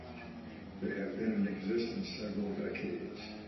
They have been in existence several decades.